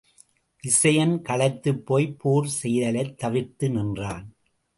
விசயன் களைத்துப் போய்ப் போர் செய்தலைத் தவிர்த்து நின்றான்.